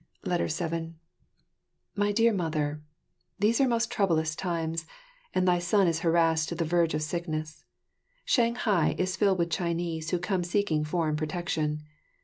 7 My Dear Mother, These are most troublous times, and thy son is harassed to the verge of sickness. Shanghai is filled with Chinese who come seeking foreign protection.